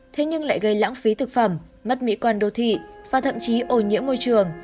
thế nhưng lại gây lãng phí thực phẩm mất mỹ quan đô thị và thậm chí ô nhiễm môi trường